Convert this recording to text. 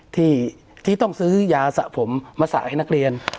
ที่ต้องซื้อยาสะผมมาสระให้นักเรียน